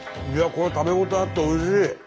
これ食べ応えあっておいしい。